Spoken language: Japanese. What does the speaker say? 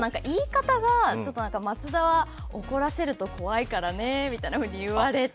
松田は怒らせると怖いからねみたいに言われて。